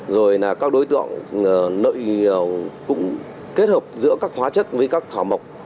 rồi là các đối tượng nội cũng kết hợp giữa các hóa chất với các thảo mộc